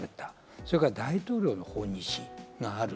それから大統領の訪日がある。